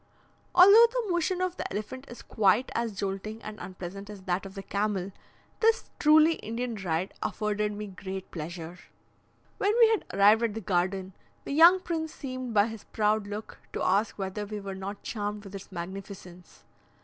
Although the motion of the elephant is quite as jolting and unpleasant as that of the camel, this truly Indian ride afforded me great pleasure. When we had arrived at the garden, the young prince seemed by his proud look to ask whether we were not charmed with its magnificence.